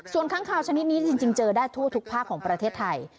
ส่วนค้างคาวชนิดนี้จริงเจอได้ทั่วทุกภาคของประเทศไทย